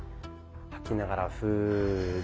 吐きながらフーで。